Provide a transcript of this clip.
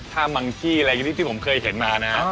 ถ้าบางที่อะไรอย่างนี้ที่ผมเคยเห็นมานะ